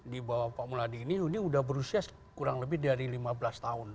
di bawah pak muladi ini sudah berusia kurang lebih dari lima belas tahun